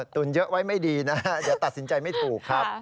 ตุนเยอะไว้ไม่ดีนะฮะเดี๋ยวตัดสินใจไม่ถูกครับ